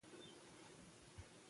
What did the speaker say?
کال ښه باراني و.